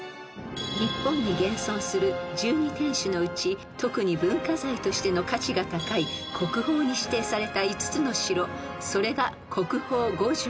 ［日本に現存する１２天守のうち特に文化財としての価値が高い国宝に指定された５つの城それが国宝５城］